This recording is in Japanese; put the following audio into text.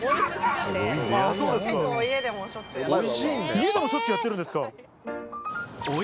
家でもしょっちゅうやってるんですか。